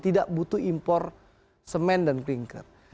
tidak butuh impor semen dan klingker